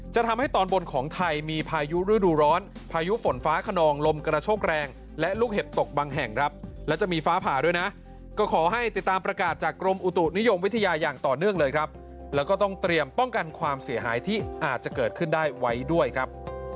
จะทำให้ตอนบนของไทยมีพายุฤดูร้อนพายุฝนฟ้าขนองลมกระโชกแรงและลูกเห็บตกบางแห่งครับและจะมีฟ้าผ่าด้วยนะก็ขอให้ติดตามประกาศจากกรมอุตุนิยมวิทยาอย่างต่อเนื่องเลยครับแล้วก็ต้องเตรียมป้องกันความเสียหายที่อาจจะเกิดขึ้นได้ไว้ด้วยครับ